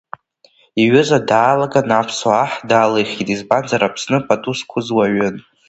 Иҩыза даалаган, аԥсуа аҳ далихит, избанзар Аԥсны пату зқәыз уаҩын.